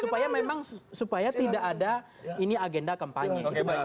supaya memang supaya tidak ada ini agenda kampanye